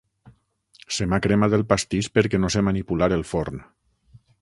Se m'ha cremat el pastís perquè no sé manipular el forn.